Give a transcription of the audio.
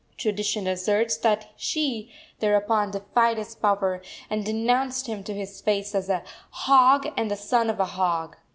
Tradition asserts that she thereupon defied his power, and denounced him to his face as "a hog and the son of a hog."